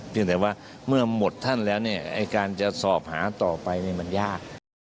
แต่ว่าเมื่อหมดท่านแล้วเนี่ยไอ้การจะสอบหาต่อไปมันยาก